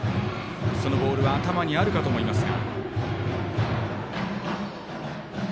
そのボールは頭にあるかと思いますが。